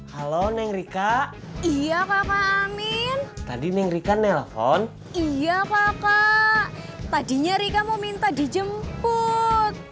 halo neng rika iya kakak amin tadi neng rika nelpon iya kakak tadinya rika mau minta dijemput